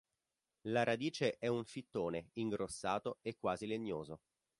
La radice è un fittone, ingrossato e quasi legnoso.